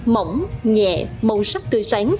mỏng nhẹ màu sắc tươi sáng